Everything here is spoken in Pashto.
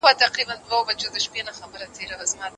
ایا زده کوونکي په خونو کې فعال دي؟